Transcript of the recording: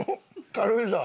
軽井沢で？